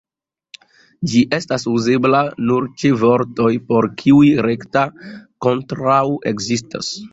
Ĝi estas uzebla nur ĉe vortoj, por kiuj rekta kontraŭo ekzistas.